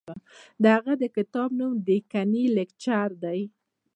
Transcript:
د هغه د کتاب نوم دکني کلچر دی.